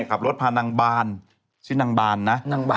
ขับรถพานางบานชื่อนางบานนะ